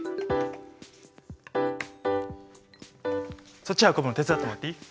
そっち運ぶの手伝ってもらっていい？